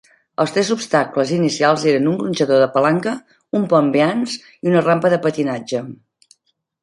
Els tres obstacles inicials eren un gronxador de palanca, un pont Beanz i una rampa de patinatge.